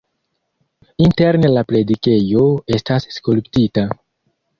Interne la predikejo estas skulptita.